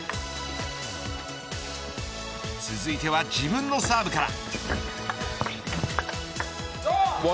続いては自分のサーブから。